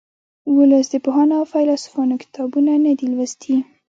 ولس د پوهانو او فیلسوفانو کتابونه نه دي لوستي